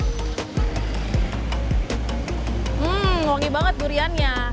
hmm wangi banget duriannya